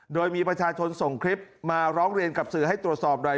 โดยมีประชาชนส่งคลิปมาร้องเรียนกับสื่อให้ตรวจสอบหน่อย